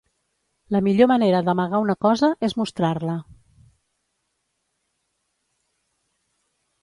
La millor manera d'amagar una cosa és mostrar-la.